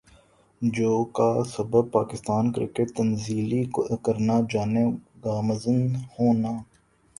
جو کا سبب پاکستان کرکٹ تنزلی کرنا جانب گامزن ہونا